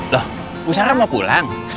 loh bu sara mau pulang